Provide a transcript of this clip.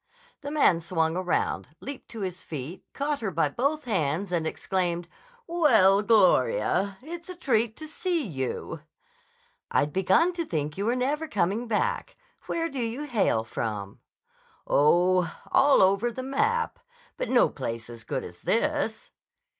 The man swung around, leaped to his feet, caught her by both hands, and exclaimed: "Well, Gloria! It's a treat to see you." "I'd begun to think you were never coming back. Where do you hail from?" "Oh, all over the map. But no place as good as this."